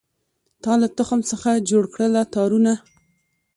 تا له تخم څخه جوړکړله تارونه